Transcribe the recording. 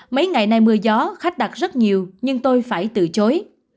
mấy ngày nay mưa gió khách đặt rất nhiều nhưng tôi phải từ chối